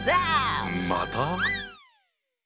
また？